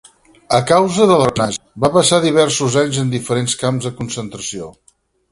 A causa de la repressió nazi va passar diversos anys en diferents camps de concentració.